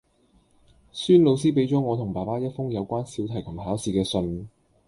孫老師畀咗我同爸爸一封有關小提琴考試嘅信